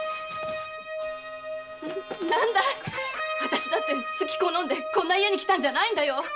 何だいあたしだってすき好んでこんな家に来たんじゃないんだよ。